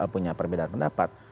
punya perbedaan pendapat